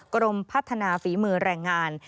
กรมพัฒนาฝีมือแรงงาน